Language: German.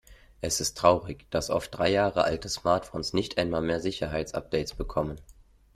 Es ist traurig, dass oft drei Jahre alte Smartphones nicht einmal mehr Sicherheitsupdates bekommen.